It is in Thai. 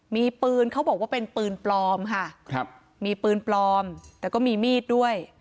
มีปืนเขาบอกว่าเป็นปืนปลอมค่ะครับมีปืนปลอมแต่ก็มีมีดด้วย